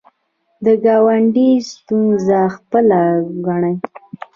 د ګاونډي ستونزه خپله وګڼئ